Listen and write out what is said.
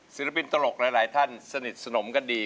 ศิลปินตลกหลายท่านสนิทสนมกันดี